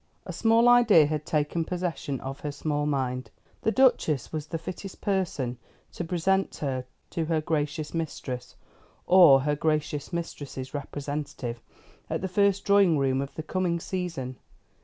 A small idea had taken possession of her small mind. The Duchess was the fittest person to present her to her gracious mistress, or her gracious mistress's representative, at the first drawing room of the coming season.